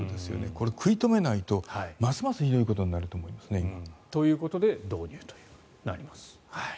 これは食い止めないとますますひどいことになると思いますね。ということで導入ということです。